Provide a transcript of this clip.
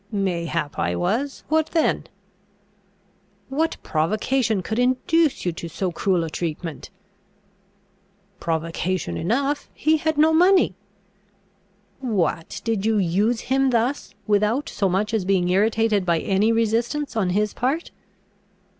"Mayhap I was. What then?" "What provocation could induce you to so cruel a treatment?" "Provocation enough. He had no money." "What, did you use him thus, without so much as being irritated by any resistance on his part?"